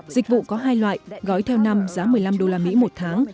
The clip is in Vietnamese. dịch vụ có hai loại gói theo năm giá một mươi năm đô la mỹ một tháng